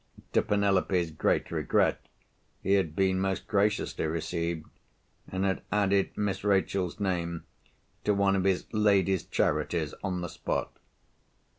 To Penelope's great regret, he had been most graciously received, and had added Miss Rachel's name to one of his Ladies' Charities on the spot.